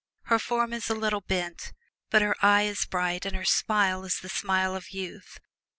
Her form is a little bent, but her eye is bright and her smile is the smile of youth.